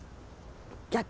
逆。